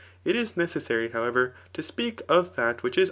. It is necessaryi howevav to speak of that Hvhich is.